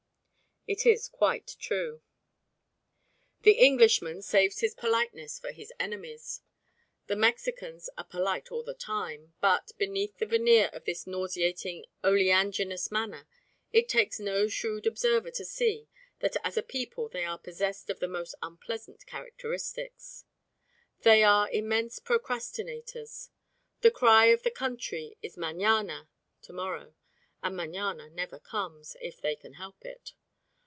It is quite true. The Englishman saves his politeness for his enemies. The Mexicans are polite all the time, but beneath the veneer of this nauseating oleaginous manner it takes no shrewd observer to see that as a people they are possessed of the most unpleasant characteristics. They are immense procrastinators. The cry of the country is mañana (to morrow) and mañana never comes, if they can help it.